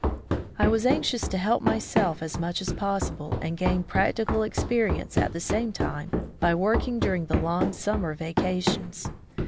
I was anxious to help myself as much as possible and gain practical experience at the same time, by working during the long summer vacations.